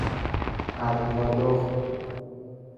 اَرتادخت